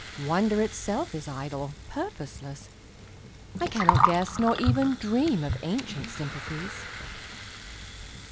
Wonder itself is idle, purposeless; I cannot guess Nor even dream of ancient sympathies.